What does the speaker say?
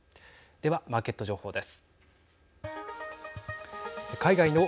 では、マーケット情報です。